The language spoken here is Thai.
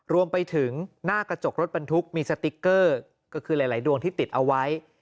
รวมไปถึงหน้ากระจกรถบรรทุกมีสติ๊กเกอร์ก็คือหลายดวงที่ติดเอาไว้